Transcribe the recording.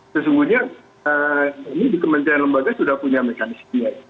sesungguhnya ini di kementerian lembaga sudah punya mekanisme